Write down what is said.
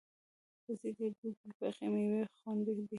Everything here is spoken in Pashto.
رس د دوبی پخې میوې خوند دی